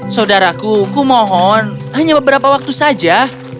saudaraku kumohon hanya beberapa waktu saja